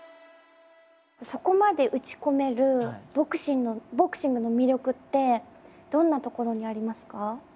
そこまで打ち込めるボクシングの魅力ってどんなところにありますか？